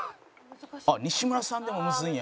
「あっ西村さんでもむずいんや」